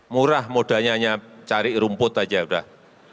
murah modanya hanya cari rumput saja sudah